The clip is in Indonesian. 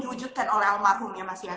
diwujudkan oleh almarhum ya mas ya